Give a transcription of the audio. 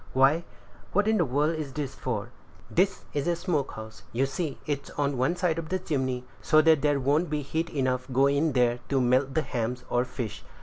"Why, what in the world is this for?" "This is a smoke house; you see it's on one side of the chimney, so that there won't be heat enough go in there to melt the hams or fish.